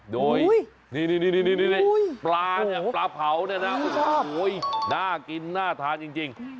โดยปลาเนี่ยปลาเผาเนี่ยน่ากินน่าทานจริง